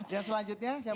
yang selanjutnya siapa